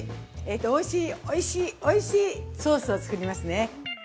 おいしいおいしいおいしいソースを作りますね。